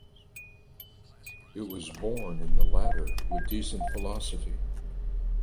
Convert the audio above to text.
It was borne in the latter with decent philosophy.